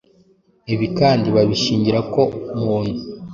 Ibi kandi babishingira ko muntu,